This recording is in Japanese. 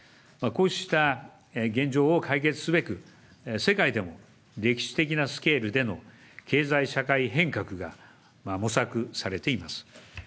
こうした現状を解決すべく、世界でも歴史的なスケールでの経済社会変革が模索されています。